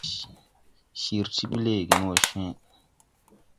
Cir ti ɓi lɛɛgen wɔ cwe.